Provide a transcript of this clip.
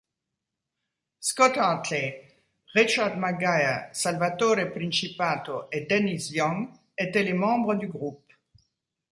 Scott Hartley, Richard McGuire, Salvatore Principato et Dennis Young étaient les membres du groupe.